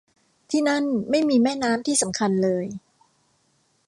ที่นั่นไม่มีแม่น้ำที่สำคัญเลย